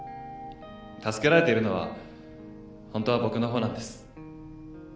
助けられているのはホントは僕の方なんです。